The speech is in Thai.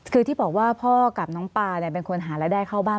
คือที่บอกว่าพ่อกับน้องปาเป็นคนหารายได้เข้าบ้าน